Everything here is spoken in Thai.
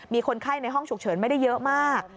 มีคนไข้ในห้องฉุกเฉินไม่ได้เยอะมาก